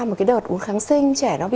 một cái đợt uống kháng sinh